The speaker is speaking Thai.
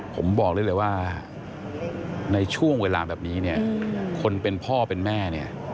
ผมบอกได้เลยว่าในช่วงเวลาแบบนี้คนเป็นพ่อเป็นแม่